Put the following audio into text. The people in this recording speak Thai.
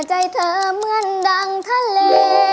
ใจเธอเหมือนดังทะเล